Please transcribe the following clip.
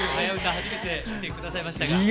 初めて来て下さいましたが。